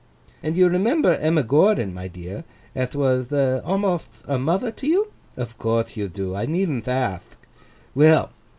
And you remember Emma Gordon, my dear, ath wath a'motht a mother to you? Of courthe you do; I needn't athk. Well!